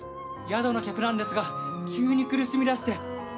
宿の客なんですが急に苦しみだして。